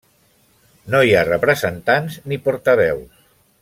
No hi ha representants ni portaveus.